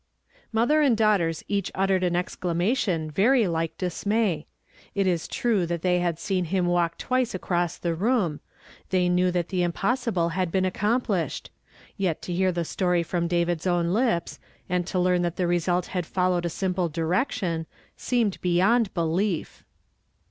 " Mother and daughtei s each uttered an exclama tion very like dismay. It is true that they had seen him walk twice across the room ; they knew that the impossible had been accomplished ; yet to hear the story from David's own lips, and to learn that the result had followed a simple direction, seemed beyond belief.